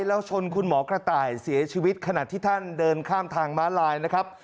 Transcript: แล้วชนคุณหมอกระต่ายเสียชีวิตขณะที่ท่านเดินข้ามทางม้าลายนะครับ